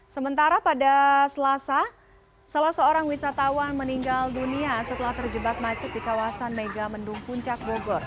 sementara pada selasa salah seorang wisatawan meninggal dunia setelah terjebak macet di kawasan mega mendung puncak bogor